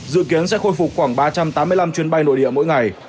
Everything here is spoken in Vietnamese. dự kiến sẽ khôi phục khoảng ba trăm tám mươi năm chuyến bay nội địa mỗi ngày